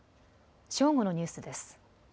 正午のニュースです。